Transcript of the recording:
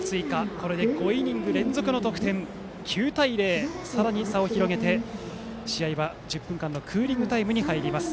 これで５イニング連続得点で９対０とさらに差を広げて試合は１０分間のクーリングタイムに入ります。